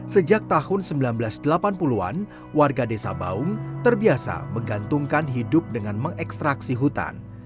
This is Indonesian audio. sejak tahun seribu sembilan ratus delapan puluh an warga desa baung terbiasa menggantungkan hidup dengan mengekstraksi hutan